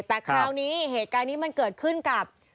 แต่คราวนี้เหตุการณ์นี้มันเกิดขึ้นกับ